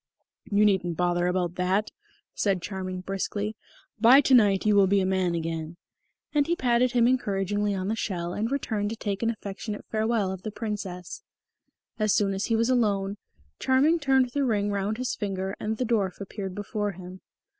"You needn't bother about that," said Charming briskly. "By to night you will be a man again." And he patted him encouragingly on the shell and returned to take an affectionate farewell of the Princess. As soon as he was alone, Charming turned the ring round his finger, and the dwarf appeared before him.